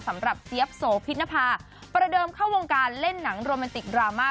เจี๊ยบโสพินภาประเดิมเข้าวงการเล่นหนังโรแมนติกดราม่า